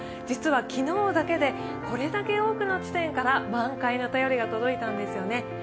実は昨日だけでこれだけ多くの地点から満開の便りが届いたんですよね。